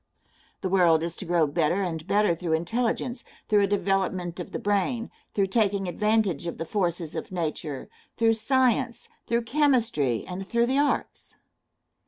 The world is to grow better and better through intelligence, through a development of the brain, through taking advantage of the forces of nature, through science, through chemistry, and through the arts.